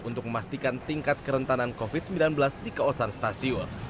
untuk memastikan tingkat kerentanan covid sembilan belas di kawasan stasiun